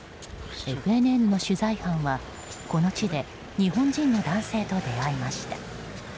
ＦＮＮの取材班は、この地で日本人の男性と出会いました。